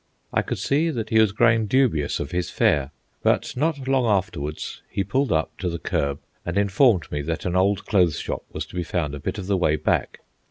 I could see that he was growing dubious of his fare, but not long afterwards he pulled up to the curb and informed me that an old clothes shop was to be found a bit of the way back.